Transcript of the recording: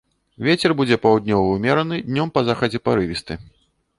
Вецер будзе паўднёвы ўмераны, днём па захадзе парывісты.